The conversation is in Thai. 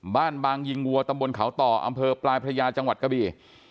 บางยิงวัวตำบลเขาต่ออำเภอปลายพระยาจังหวัดกะบี่